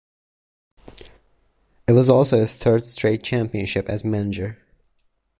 It was also his third straight championship as manager.